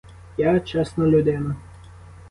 Я — чесна людина.